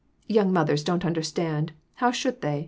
"Young mothers don't understand; how should they